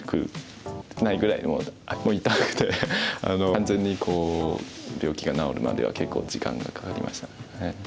完全に病気が治るまでは結構時間がかかりました。